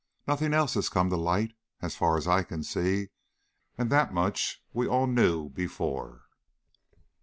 Nothing else has come to light, as far as I can see, and that much we all knew before."